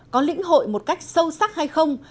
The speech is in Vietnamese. có lĩnh hội một cách sâu sắc hay không